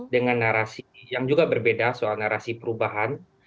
dengan narasi yang juga berbeda soal narasi perubahan